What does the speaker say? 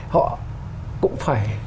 họ cũng phải